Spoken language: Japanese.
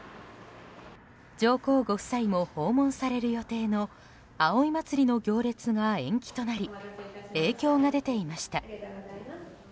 上皇ご夫妻も訪問される予定の葵祭の行列が延期となり影響が出ていました。